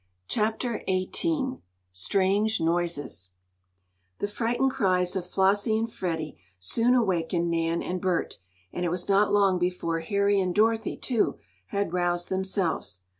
CHAPTER XVIII STRANGE NOISES The frightened cries of Flossie and Freddie soon awakened Nan and Bert, and it was not long before Harry and Dorothy, too, had roused themselves.